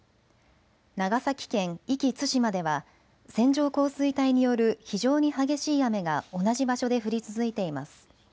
長崎県壱岐・対馬では線状降水帯による非常に激しい雨が同じ場所で降り続いています。